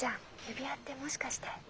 指輪ってもしかして？